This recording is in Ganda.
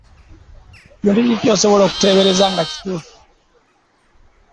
Kintu ki ky'osobola okutebereza nga kituufu?